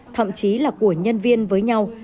thậm chí là của nhân viên với nhau